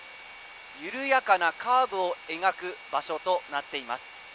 緩やかなカーブを描く場所となっています。